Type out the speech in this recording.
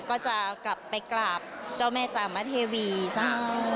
ก็จะกลับไปกราบเจ้าแม่จามเทวีจ้า